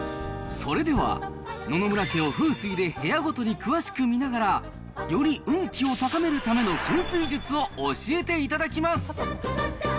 それでは、野々村家を風水で部屋ごとに詳しく見ながら、より運気を高めるための風水術を教えていただきます。